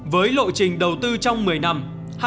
với lộ trình đầu tư trong một mươi năm